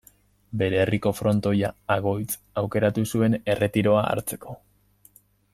Bere herriko frontoia, Agoitz, aukeratu zuen erretiroa hartzeko.